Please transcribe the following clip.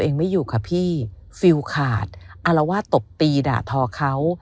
ไม่อยู่ค่ะพี่ฟิลขาดอารวาสตบตีด่าทอเขา